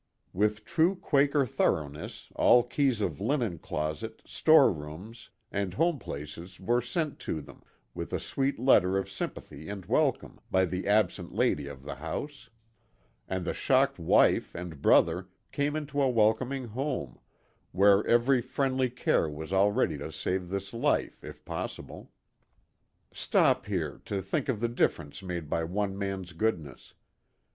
With true Quaker thoroughness all keys of linen closet, store rooms and home 170 THE GOOD SAMARITAN. places were sent to them, with a sweet letter of sympathy and welcome, by the absent lady of the house ; and the shocked wife and brother came into a welcoming home, where every friendly care was all ready to save this life, if possible. Stop here to think of the difference made by one man's goodness.